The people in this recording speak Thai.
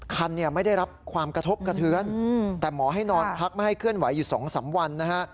คันเนี่ยไม่ได้รับความกระทบกระเทือนแต่หมอให้นอนพักไม่ให้เคลื่อนไหวอยู่๒๓วันนะฮะ